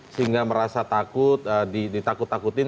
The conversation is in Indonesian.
sehingga merasa takut ditakut takutin